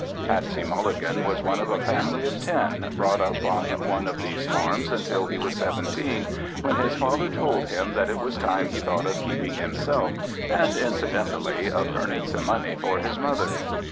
Patsey Mulligan was one of a family of ten, brought up on one of these farms until he was seventeen, when his father told him that it was time he thought of keeping himself, and, incidentally, of earning some money for his mother.